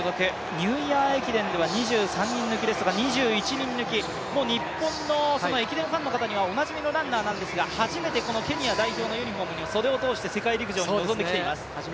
ニューイヤー駅伝では２１人抜きなど、日本の駅伝ファンの方にはおなじみのランナーなんですが初めてこのケニア代表のユニフォームに袖を通して世界陸上に臨んできています。